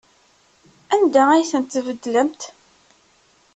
Anda ay ten-tbeddlemt?